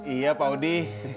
iya pak udi